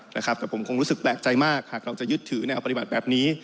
แต่ผมคงรู้สึกแปลกใจมากหากเราจะยึดถือแนวปฏิบัติแบบนี้